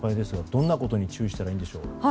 どんなことに注意したらいいんでしょう。